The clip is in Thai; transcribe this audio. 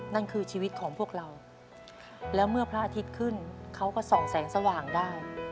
นั่นคือชีวิตของพวกเราแล้วเมื่อพระอาทิตย์ขึ้นเขาก็ส่องแสงสว่างได้